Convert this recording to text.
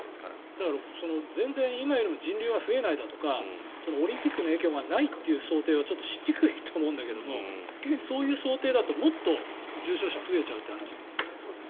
だから、全然今よりも人流が増えないだとかオリンピックの影響がないという想定はちょっとしにくいと思うんだけれどもそういう想定だともっと重症者増えちゃうという話なんですよね。